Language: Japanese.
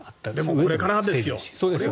これからですよ。